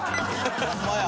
ホンマや。